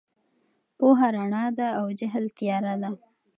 پوهه رڼا ده او جهل تیاره ده.